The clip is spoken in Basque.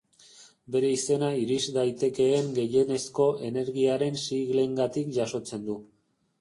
Bere izena iris daitekeen gehienezko energiaren siglengatik jasotzen du.